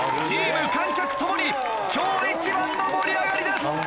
チーム観客共に今日一番の盛り上がりです！